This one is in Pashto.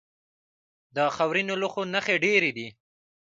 د خاورینو لوښو نښې ډیرې دي